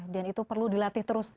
dan itu perlu dilatih terus